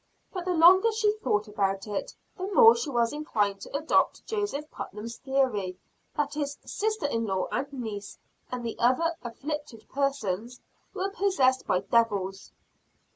But the longer she thought about it, the more she was inclined to adopt Joseph Putnam's theory, that his sister in law and niece and the other "afflicted" persons were possessed by devils.